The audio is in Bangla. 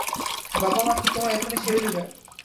বাবা মা কি তোমায় এখুনি ছেড়ে দেবেন?